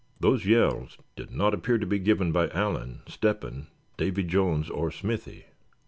Those yells did not appear to be given by Allan, Step hen, Davy Jones or Smithy.